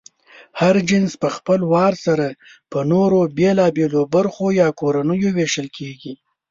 هر جنس پهخپل وار سره په نورو بېلابېلو برخو یا کورنیو وېشل کېږي.